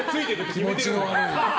気持ちの悪い。